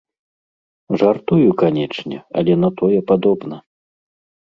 Жартую, канечне, але на тое падобна.